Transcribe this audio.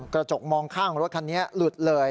กระจกมองข้างรถคันนี้หลุดเลย